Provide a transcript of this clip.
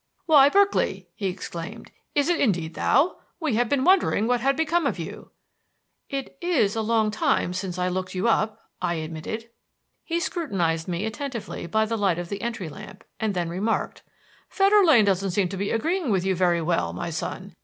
"Why, Berkeley!" he exclaimed, "is it indeed thou? We have been wondering what had become of you." "It is a long time since I looked you up," I admitted. He scrutinized me attentively by the light of the entry lamp, and then remarked: "Fetter Lane doesn't seem to be agreeing with you very well, my son.